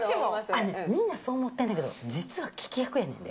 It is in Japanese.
あのね、みんなそう思ってんねんけど、実は聞き役やねんで。